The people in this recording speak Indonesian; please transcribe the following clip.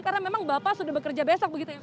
karena memang bapak sudah bekerja besok begitu ya pak